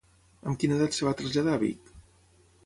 Amb quina edat es va traslladar a Vic?